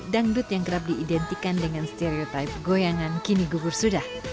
dangdut yang kerap diidentikan dengan stereotipe goyangan kini gugur sudah